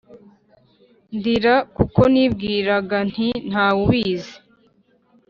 ndira kuko nibwiraga nti ‘Nta wubizi